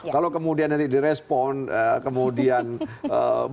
kalau kemudian nanti di respon kemudian berkembang itu akan menderita